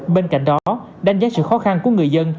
bên cạnh đó đánh giá sự khó khăn của người dân